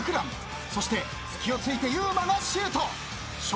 そして隙を突いてゆうまがシュート。笑